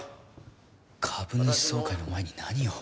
株主総会の前に何を？